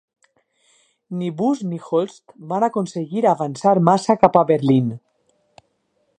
Ni Busse ni Holste van aconseguir avançar massa cap a Berlín.